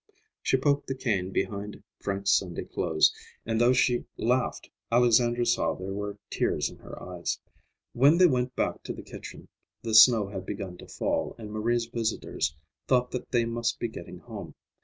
She poked the cane behind Frank's Sunday clothes, and though she laughed, Alexandra saw there were tears in her eyes. When they went back to the kitchen, the snow had begun to fall, and Marie's visitors thought they must be getting home.